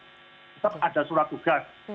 tetap ada surat tugas